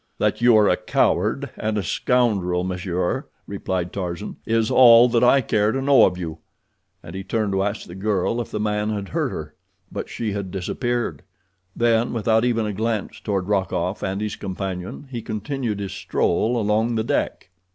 "That you are a coward and a scoundrel, monsieur," replied Tarzan, "is all that I care to know of you," and he turned to ask the girl if the man had hurt her, but she had disappeared. Then, without even a glance toward Rokoff and his companion, he continued his stroll along the deck.